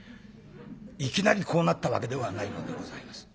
いきなりこうなったわけではないのでございます。